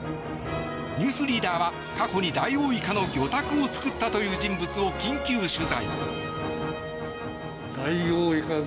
「ニュースリーダー」は過去にダイオウイカの魚拓を作ったという人物を緊急取材。